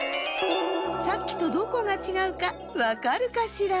さっきとどこがちがうかわかるかしら？